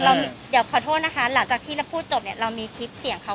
เดี๋ยวขอโทษนะคะหลังจากที่เราพูดจบเนี่ยเรามีคลิปเสียงเขา